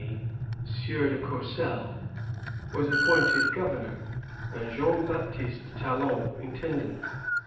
Daniel de R^my, Sieur de Courcelle, was appointed governor, and Jean Baptiste Talon intendant.